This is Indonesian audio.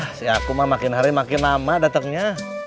hah si aku mah makin hari makin lama datangnya